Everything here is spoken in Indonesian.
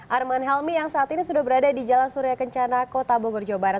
arman helmi yang saat ini sudah berada di jalan surya kencana kota bogor jawa barat